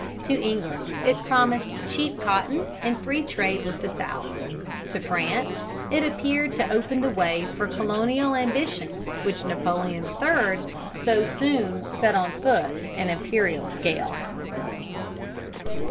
To England it promised cheap cotton and free trade with the South. To France it appeared to open the way for colonial ambitions which Napoleon III so soon set on foot on an imperial scale.